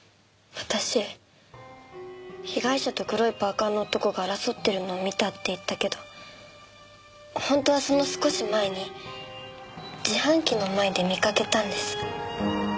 私被害者と黒いパーカの男が争ってるのを見たって言ったけど本当はその少し前に自販機の前で見かけたんです。